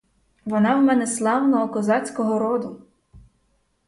Вона в мене славного козацького роду!